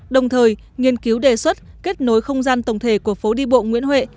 đồng thời nghiên cứu đề xuất kết nối không gian tổng thể của phố đi bộ nguyễn huệ